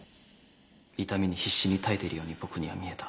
痛みに必死に耐えているように僕には見えた。